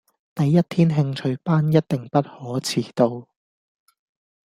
第一天興趣班一定不可遲到